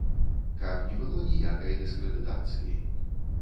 Каб не было ніякай дыскрэдытацыі.